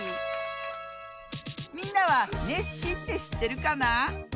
みんなはネッシーってしってるかな？